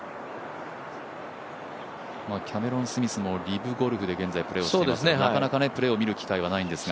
キャメロン・スミスも現在リブゴルフでプレーしていますがなかなかプレーを見る機会がない選手ですが。